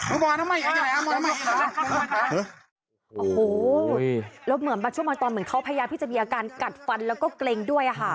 โอ้โหแล้วเหมือนบางช่วงบางตอนเหมือนเขาพยายามที่จะมีอาการกัดฟันแล้วก็เกร็งด้วยอ่ะค่ะ